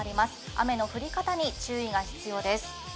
雨の降り方に注意が必要です。